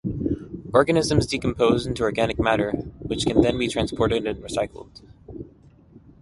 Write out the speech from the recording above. Organisms decompose into organic matter, which can then be transported and recycled.